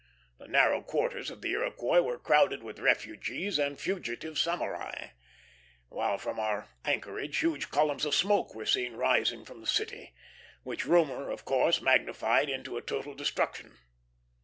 The narrow quarters of the Iroquois were crowded with refugees and fugitive samurai; while from our anchorage huge columns of smoke were seen rising from the city, which rumor, of course, magnified into a total destruction.